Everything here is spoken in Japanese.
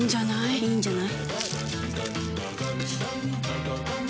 いいんじゃない？